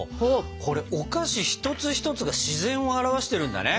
これお菓子一つ一つが自然を表してるんだね。